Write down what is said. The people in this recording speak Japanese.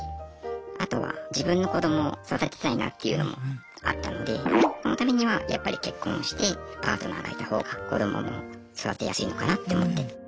あとは自分の子供を育てたいなっていうのもあったのでそのためにはやっぱり結婚してパートナーがいた方が子どもも育てやすいのかなって思って。